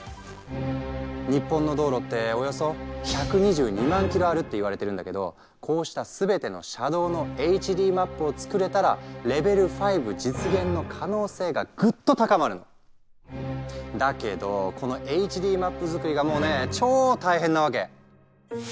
日本の道路っておよそ１２２万ｋｍあるって言われてるんだけどこうした全ての車道のＨＤマップを作れたらレベル５実現の可能性がぐっと高まるの。だけどこのＨＤマップ作りがもうね超大変なわけ。